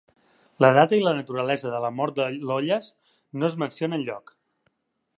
La data i la naturalesa de la mort de Iollas no es menciona enlloc.